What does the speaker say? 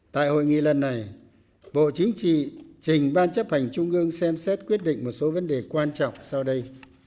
tại hội nghị lần này bộ chính trị trình ban chấp hành trung ương xem xét quyết định một số vấn đề quan trọng sau đây